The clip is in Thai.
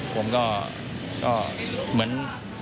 ผมก็เหมือน